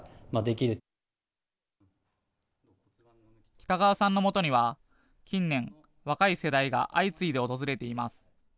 北川さんのもとには近年、若い世代が相次いで訪れています。